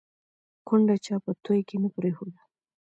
ـ کونډه چا په توى کې نه پرېښوده